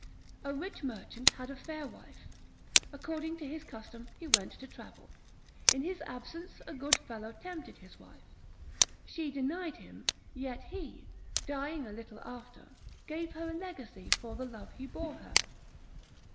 A rich merchant had a fair wife; according to his custom he went to travel; in his absence a good fellow tempted his wife; she denied him; yet he, dying a little after, gave her a legacy for the love he bore her.